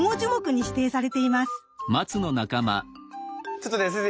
ちょっとね先生